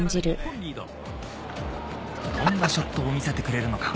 どんなショットを見せてくれるのか？